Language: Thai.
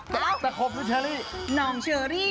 ตะครบลูกเชอร์รี่